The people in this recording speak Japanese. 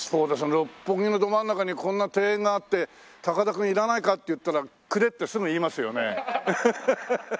六本木のど真ん中にこんな庭園があって「高田くんいらないか？」って言ったら「くれ」ってすぐ言いますよね。